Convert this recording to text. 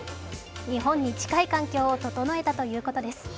日本に近い環境を整えたということです。